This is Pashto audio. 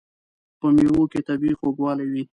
په مېوو کې طبیعي خوږوالی وي.